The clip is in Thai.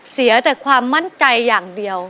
เสียแต่ความมั่นใจอย่างเดียว